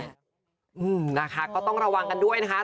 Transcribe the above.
อืมนะคะก็ต้องระวังกันด้วยนะคะ